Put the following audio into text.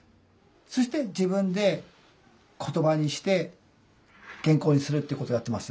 そして自分で言葉にして原稿にするっていうことをやってます。